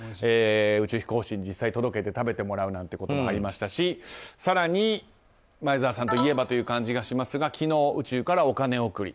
宇宙飛行士に実際に届けて食べてもらうなんてこともありましたし更に、前澤さんといえばという感じがしますが昨日、宇宙からお金贈り。